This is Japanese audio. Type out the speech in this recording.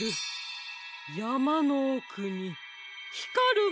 やまのおくにひかるものが。